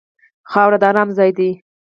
خاوره د ارام ځای دی.